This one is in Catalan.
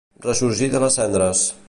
Ressorgir de les cendres